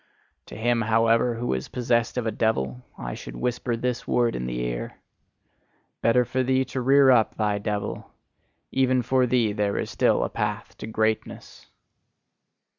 To him however, who is possessed of a devil, I would whisper this word in the ear: "Better for thee to rear up thy devil! Even for thee there is still a path to greatness!"